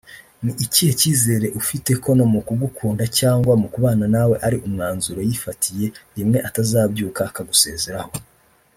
ni ikihe cyizere ufite ko no mu kugukunda cyangwa mu kubana nawe ari umwanzuro yifatiye rimwe atazabyuka akagusezeraho